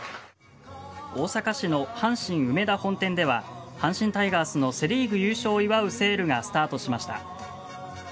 大阪市の阪神梅田本店では阪神タイガースのセ・リーグ優勝を祝うセールがスタートしました。